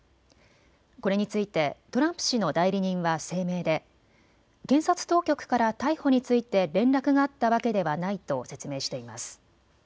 これについてトランプ氏の代理人は声明で検察当局から逮捕について連絡があったわけではないと説明しています。